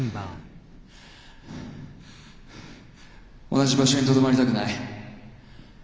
同じ場所にとどまりたくない。